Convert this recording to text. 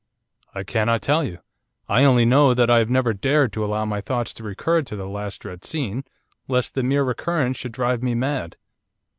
'I cannot tell you. I only know that I have never dared to allow my thoughts to recur to that last dread scene, lest the mere recurrence should drive me mad.